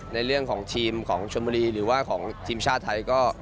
ในเรื่องของทีมของชนบุรีหรือว่าของทีมชาติไทยก็